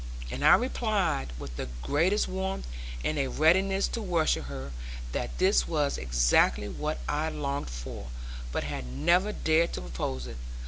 And I replied with the greatest warmth and a readiness to worship her, that this was exactly what I longed for, but had never dared to propose it.